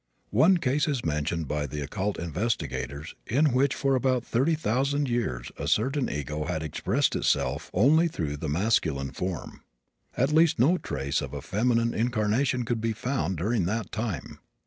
One case is mentioned by the occult investigators in which for about thirty thousand years a certain ego had expressed itself only through the masculine form. At least no trace of a feminine incarnation could be found during that time.